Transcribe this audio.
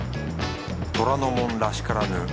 虎ノ門らしからぬ